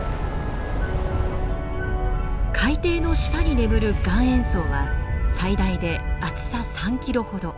海底の下に眠る岩塩層は最大で厚さ３ｋｍほど。